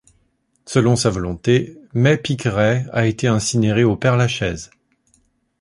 Selon sa volonté, May Picqueray a été incinérée au Père-Lachaise.